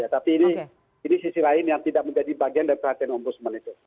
tapi ini sisi lain yang tidak menjadi bagian dari perhatian ombudsman itu